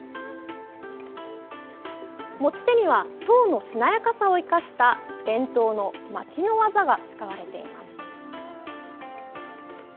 持ち手には籐のしなやかさを生かした伝統の巻きの技が使われています。